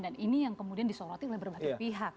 dan ini yang kemudian disorotin oleh berbagai pihak